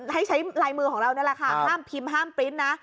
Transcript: ให้ใช้ลายมือของเรานี่แหละค่ะห้ามพิมพ์ห้ามปริ้นต์นะ